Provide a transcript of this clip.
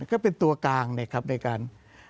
ก็เป็นตัวกลางในการ